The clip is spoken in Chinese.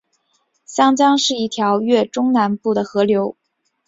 香江是一条越南中部的河流。